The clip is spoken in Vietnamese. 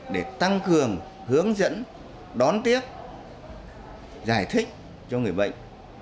để tăng cường hướng dẫn đón tiếp giải thích cho người bệnh